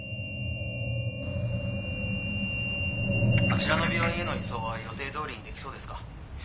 あちらの病院への移送は予定どおりにできそうですか？